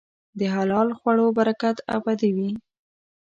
د حلال خوړو برکت ابدي وي.